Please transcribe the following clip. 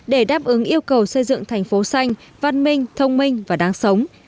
để đáp ứng yêu cầu xây dựng thành phố xanh văn minh thông minh và đáng sống